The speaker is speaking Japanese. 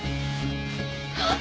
あっ！